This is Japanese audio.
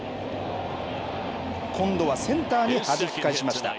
今度はセンターにはじき返しました。